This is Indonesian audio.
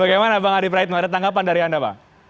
bagaimana bang arief rahit mengada tanggapan dari anda pak